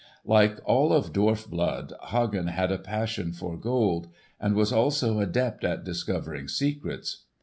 Like all of dwarf blood, Hagen had a passion for gold, and was also adept at discovering secrets.